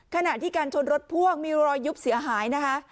ขณะที่การชนรถพ่วงมีรอยยุบเสียหายนะคะ